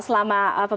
kalau kita lihat